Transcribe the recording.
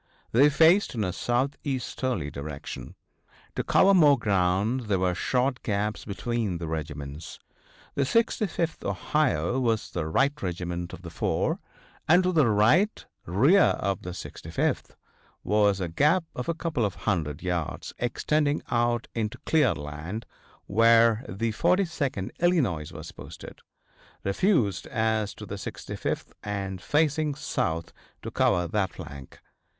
They faced in a southeasterly direction. To cover more ground there were short gaps between the regiments. The 65th Ohio was the right regiment of the four, and to the right rear of the 65th was a gap of a couple hundred yards extending out into cleared land, where the 42d Illinois was posted, refused as to the 65th and facing south to cover that flank.